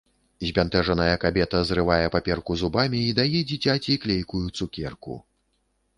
Збянтэжаная кабета зрывае паперку зубамі і дае дзіцяці клейкую цукерку.